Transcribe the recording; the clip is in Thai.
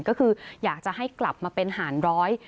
ก็คืออยากจะให้กลับมาเป็นหารร้อย